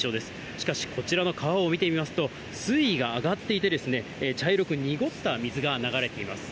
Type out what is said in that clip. しかし、こちらの川を見てみますと、水位が上がっていてですね、茶色く濁った水が流れています。